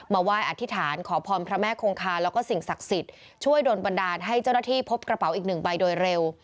ไหว้อธิษฐานขอพรพระแม่คงคาแล้วก็สิ่งศักดิ์สิทธิ์ช่วยโดนบันดาลให้เจ้าหน้าที่พบกระเป๋าอีกหนึ่งใบโดยเร็ว